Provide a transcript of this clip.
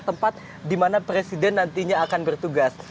tempat di mana presiden nantinya akan bertugas